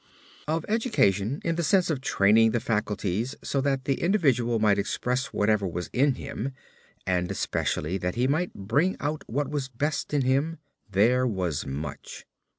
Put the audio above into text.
Of education in the sense of training the faculties so that the individual might express whatever was in him and especially that he might bring out what was best in him, there was much.